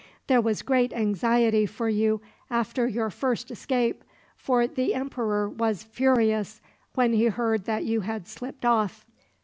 There was great anxiety for you after your first escape, for the emperor was furious when he heard that you had slipped off.